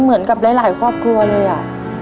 เหมือนกับหลายครอบครัวเลยอ่ะ